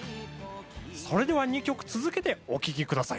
それでは２曲続けてお聴きください。